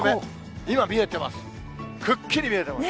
今見えてます。